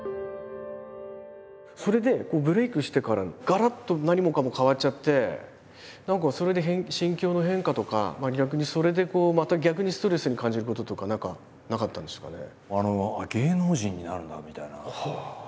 それでブレークしてからガラッと何もかも変わっちゃって何かそれで心境の変化とか逆にそれでこうまた逆にストレスに感じることとか何かなかったんですかね？